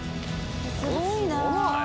すごいなあ。